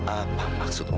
ada untuk tool